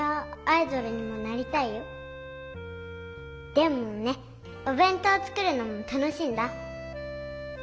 でもねおべん当作るのも楽しいんだ。